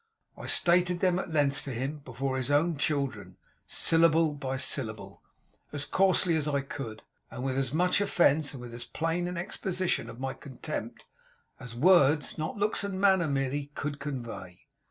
I stated them at length to him, before his own children, syllable by syllable, as coarsely as I could, and with as much offence, and with as plain an exposition of my contempt, as words not looks and manner merely could convey.